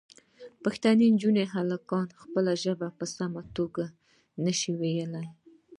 پښتنې نجونې او هلکان خپله ژبه په سمه توګه نه شي ویلی.